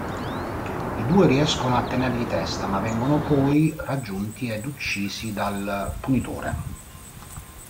I due riescono a tenergli testa, ma vengono poi raggiunti ed uccisi dal Punitore.